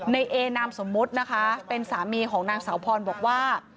ในเอนามสมมุตินะคะเป็นสามีของนางสาวพรบอกว่า